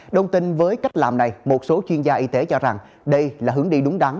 đồng tình với cách làm này một số chuyên gia y tế cho rằng đây là hướng đi đúng đắn